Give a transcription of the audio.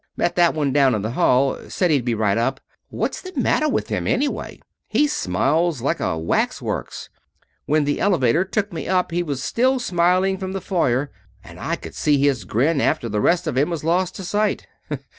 Met that one down in the hail. Said he'd be right up. What's the matter with him anyway? He smiles like a waxworks. When the elevator took me up he was still smiling from the foyer, and I could see his grin after the rest of him was lost to sight.